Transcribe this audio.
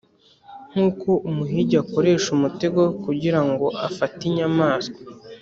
nk’ uko umuhigi akoresha umutego kugira ngo afate inyamaswa